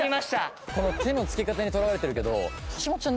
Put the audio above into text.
この手のつき方にとらわれてるけど。